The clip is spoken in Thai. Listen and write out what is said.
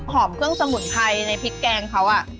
เครื่องสมุนไพรในพริกแกงเขา